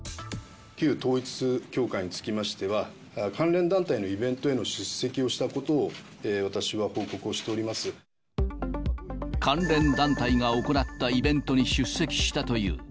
旧統一教会につきましては、関連団体のイベントへの出席をしたことを、私は報告をしておりま関連団体が行ったイベントに出席したという。